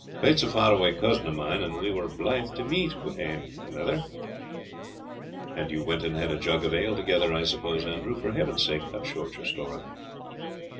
Pate's a far awa cousin o' mine, and we were blythe to meet wi' ane anither." "And you went and had a jug of ale together, I suppose, Andrew? For Heaven's sake, cut short your story."